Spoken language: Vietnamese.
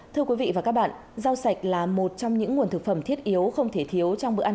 thưa quý vị và các bạn rau sạch là một trong những nguồn thực phẩm thiết yếu không thể thiếu trong bữa ăn